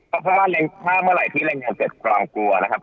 เพราะว่าถ้าเมื่อไหร่ที่รายงานเกิดความกลัวนะครับ